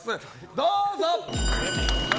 どうぞ！